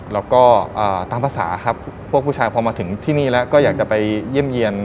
แล้วก็ตามภาษาครับพวกผู้ชายพอมาถึงที่นี่แล้วก็อยากจะไปเยี่ยมเยี่ยน